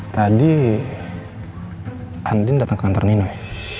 tadi andin datang ke kantor nino